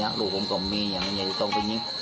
อันนี้ลูกผมก็มีอย่างเงี้ยก็ต้องยิง